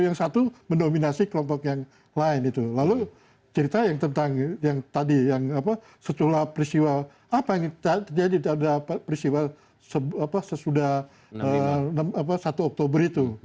yang satu mendominasi kelompok yang lain itu lalu cerita yang tentang yang tadi yang apa setelah peristiwa apa yang terjadi pada peristiwa sesudah satu oktober itu